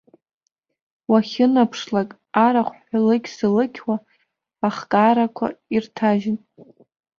Уахьынаԥшлак арахә ҳәылықь-сылықьуа ахкаарақәа ирҭажьын.